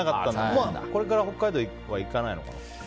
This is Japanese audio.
これから北海道には行かないのかな？